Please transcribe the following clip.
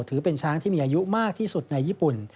ถือเป็นช้างที่มีอายุมากที่สุดในญี่ปุ่น